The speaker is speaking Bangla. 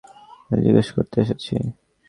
আরে, এই কথাই তো আপনাকে জিজ্ঞেস করতে এসেছি।